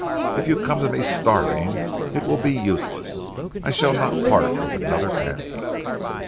If you come to me starving, it will be useless. I shall not part with another penny.'"